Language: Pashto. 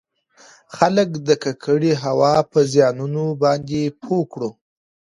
خلــک د ککـړې هـوا پـه زيـانونو بانـدې پـوه کـړو٫